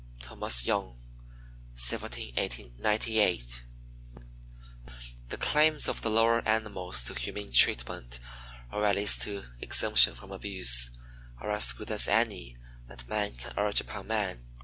Thomas Young, 1798. The claims of the lower animals to humane treatment, or at least to exemption from abuse, are as good as any that man can urge upon man.